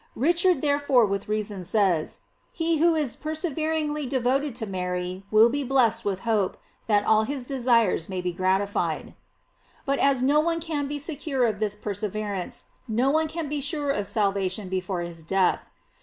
Richard therefore with reason says: He who is per severingly devoted to Mary will be blessed with the hope, that all his desires may be gratified.* But as no one can be secure of this perseverance, no one can be sure of salvation before his death.